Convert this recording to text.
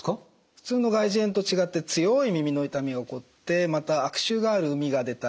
普通の外耳炎と違って強い耳の痛みが起こってまた悪臭があるうみが出たりします。